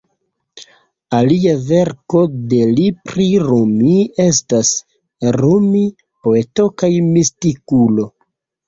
Alia verko de li pri Rumi estas: Rumi, poeto kaj mistikulo.